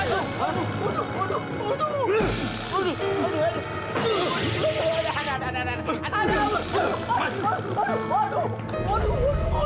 aduh aduh aduh aduh